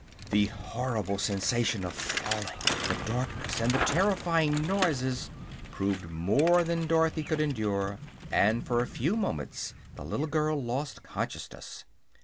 The horrible sensation of falling, the darkness and the terrifying noises, proved more than Dorothy could endure and for a few moments the little girl lost consciousness.